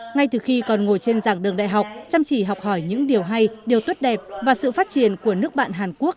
ngay từ khi còn ngồi trên dạng đường đại học chăm chỉ học hỏi những điều hay điều tốt đẹp và sự phát triển của nước bạn hàn quốc